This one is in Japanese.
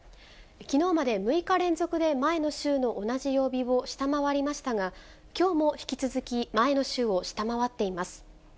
きのうまで６日連続で前の週の同じ曜日を下回りましたが、きょうも引き続き前の週を下回っています。